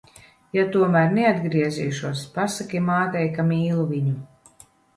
Ja tomēr neatgriezīšos, pasaki mātei, ka mīlu viņu.